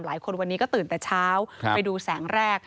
หลายคนวันนี้ก็ตื่นแต่เช้าไปดูแสงแรก